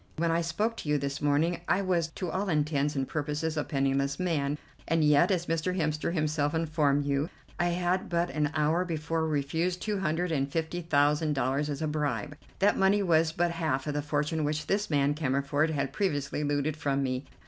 When I spoke to you this morning I was to all intents and purposes a penniless man, and yet, as Mr. Hemster himself informed you, I had but an hour before refused two hundred and fifty thousand dollars as a bribe. That money was but half of the fortune which this man Cammerford had previously looted from me.